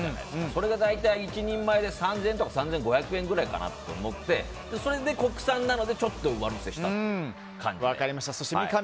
それが大体１人前で３０００円とか３５００円くらいかなと思ってそれで、国産なのでちょっと上乗せした感じで。